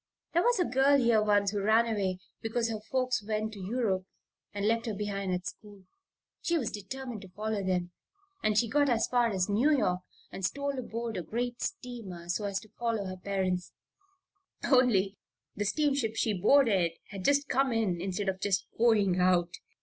There was a girl here once who ran away because her folks went to Europe and left her behind at school. She was determined to follow them, and she got as far as New York and stole aboard a great steamer so as to follow her parents; only the steamship she boarded had just come in instead of just going out.